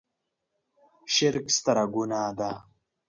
شرک ستره ګناه ده.